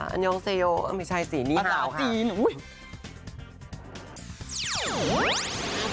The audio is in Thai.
อันยองเซโยไม่ใช่สีนี่เท่าค่ะประตาจีนอุ๊ย